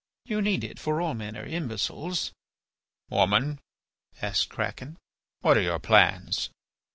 You need it, for all men are imbeciles." "Woman," asked Kraken, "what are your plans?"